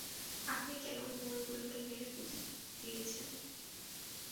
আপনি কেন ওই ময়ূরগুলোকে মেরে পুঁতে দিয়েছেন?